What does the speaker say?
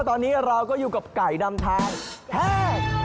ตอนนี้เราก็อยู่กับไกด์นำทาง